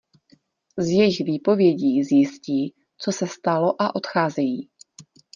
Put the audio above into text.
Z jejich výpovědí zjistí co se stalo a odcházejí.